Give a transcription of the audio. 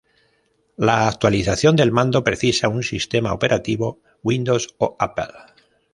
La actualización del mando precisa un sistema operativo Windows o Apple.